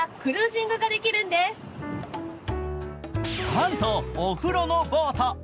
なんと、お風呂のボート。